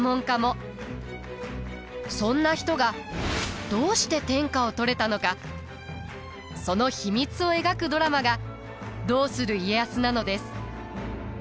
そんな人がどうして天下を取れたのかその秘密を描くドラマが「どうする家康」なのです。